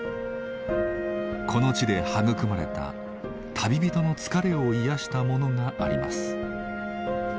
この地で育まれた旅人の疲れを癒やしたものがあります。